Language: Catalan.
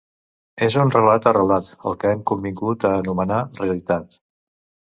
És un relat arrelat al que hem convingut a anomenar realitat.